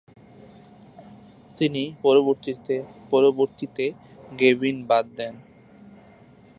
তিনি পরবর্তীতে "গেভিন" বাদ দেন।